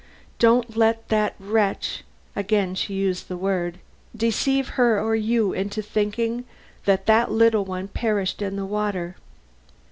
Don't let that wretch" again she used the word "deceive her or you into thinking that the little one perished in the water.